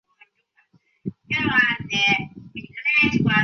一般表示人或生物的名词的性和其天然性别一致。